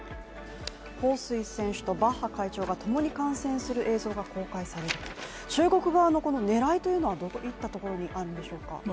彭帥選手とバッハ会長がともに観戦する映像が公開された、中国側のこの狙いというのはどういったところにあるんでしょうか。